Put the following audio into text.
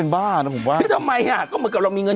ไม่จริง